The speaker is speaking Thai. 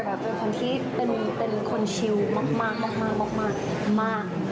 อันนี้พูดจากใจเลยนะคะ